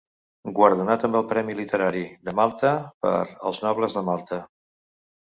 Guardonat amb el Premi literari de Malta per "Els nobles de Malta".